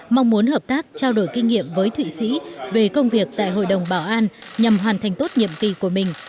mong muốn hợp tác trao đổi kinh nghiệm với thụy sĩ về công việc tại hội đồng bảo an nhằm hoàn thành tốt nhiệm kỳ của mình